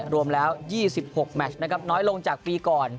รวมแล้ว๒๖แมทน้อยลงจากปีก่อน